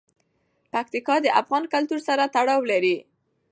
پکتیکا د افغان کلتور سره تړاو لري.